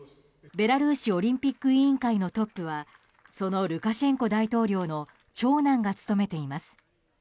ベラルーシオリンピック委員会のトップはそのルカシェンコ大統領の長男が務めています。